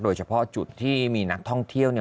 โดยเฉพาะจุดที่มีนักท่องเที่ยวเนี่ย